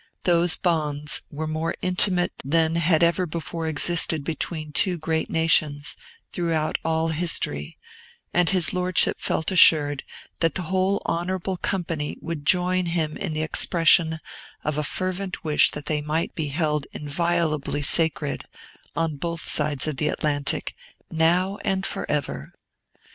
Those bonds were more intimate than had ever before existed between two great nations, throughout all history, and his Lordship felt assured that that whole honorable company would join him in the expression of a fervent wish that they might be held inviolably sacred, on both sides of the Atlantic, now and forever.